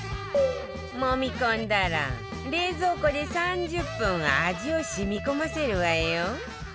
もみ込んだら冷蔵庫で３０分味を染み込ませるわよ